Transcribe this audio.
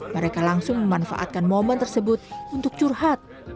mereka langsung memanfaatkan momen tersebut untuk curhat